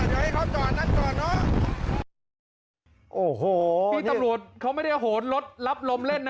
เดี๋ยวให้เค้าจอดนั้นจอดเนอะโอ้โหพี่ตำรวจเค้าไม่ได้โหดรถรับลมเล่นนะ